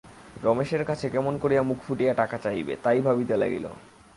রমেশের কাছে কেমন করিয়া মুখ ফুটিয়া টাকা চাহিবে, তাই ভাবিতে লাগিল।